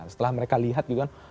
setelah mereka lihat gitu kan